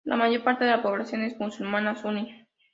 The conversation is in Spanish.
La mayor parte de la población es musulmana suní.